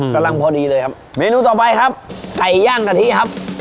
กำลังพอดีเลยครับเมนูต่อไปครับไก่ย่างกะทิครับ